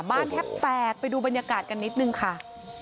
แทบแตกไปดูบรรยากาศกันนิดนึงค่ะ